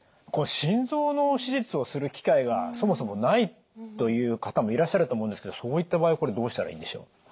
これ心臓の手術をする機会がそもそもないという方もいらっしゃると思うんですけどそういった場合これどうしたらいいんでしょう？